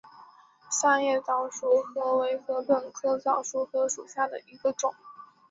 三叶早熟禾为禾本科早熟禾属下的一个种。